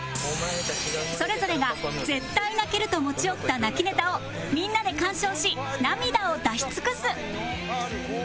それぞれが絶対泣けると持ち寄った泣きネタをみんなで鑑賞し涙を出し尽くす！